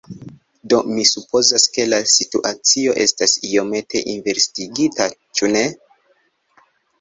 Do mi supozas ke la situacio estas iomete inversigita ĉu ne?